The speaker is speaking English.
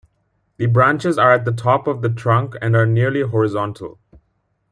The branches are at the top of the trunk and are nearly horizontal.